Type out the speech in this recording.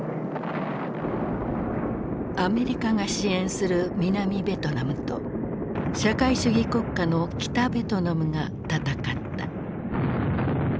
アメリカが支援する南ベトナムと社会主義国家の北ベトナムが戦った。